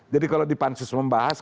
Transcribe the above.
jadi kalau dipansus membahas